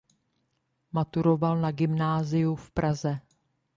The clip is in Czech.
Maturoval na gymnáziu v Praze.